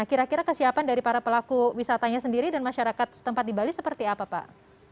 kira kira kesiapan dari para pelaku wisatanya sendiri dan masyarakat setempat di bali seperti apa pak